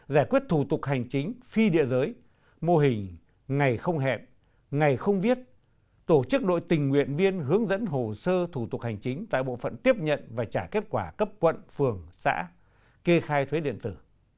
giải quyết thủ tục hành chính phi địa giới mô hình ngày không hẹn ngày không viết tổ chức đội tình nguyện viên hướng dẫn hồ sơ thủ tục hành chính tại bộ phận tiếp nhận và trả kết quả cấp quận phường xã kê khai thuế điện tử